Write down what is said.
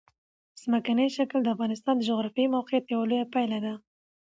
ځمکنی شکل د افغانستان د جغرافیایي موقیعت یوه لویه پایله ده.